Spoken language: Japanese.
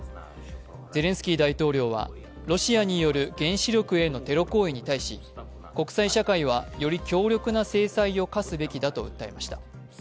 ゼレンスキー大統領はロシアによる原子力へのテロ行為に対し国際社会はより強力な制裁を課すべきだと訴えました。